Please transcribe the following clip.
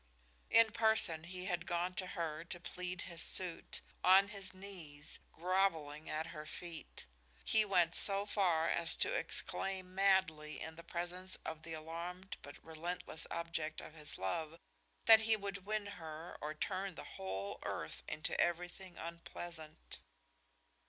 In person he had gone to her to plead his suit, on his knees, grovelling at her feet. He went so far as to exclaim madly in the presence of the alarmed but relentless object of his love that he would win her or turn the whole earth into everything unpleasant.